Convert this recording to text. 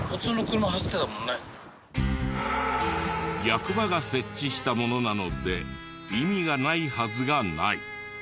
役場が設置したものなので意味がないはずがない。